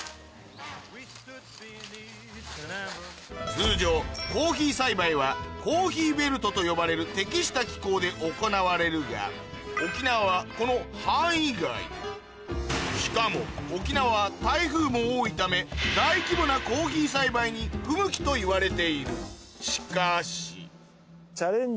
通常コーヒー栽培は「コーヒーベルト」と呼ばれる適した気候で行われるが沖縄はこの範囲外しかも沖縄は台風も多いためといわれている